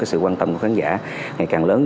sự quan tâm của khán giả ngày càng lớn